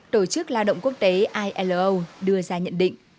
tổ chức lao động quốc tế ilo đưa ra nhận định